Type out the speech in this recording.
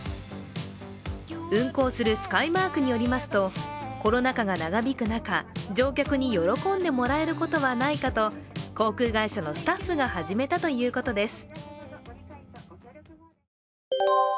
運航するスカイマークによりますとコロナ禍が長引く中乗客に喜んでもらえることはないかと航空会社のスタッフが始めたということです。